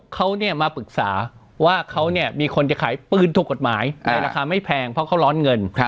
เขามาปรึกษาว่าเขามีคนจะขายปืนถูกกฎหมายในราคาไม่แพงเพราะเขาร้อนเงิน